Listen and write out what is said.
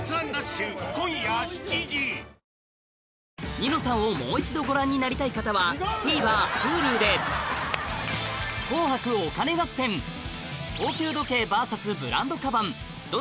『ニノさん』をもう一度ご覧になりたい方はＴＶｅｒＨｕｌｕで予想してください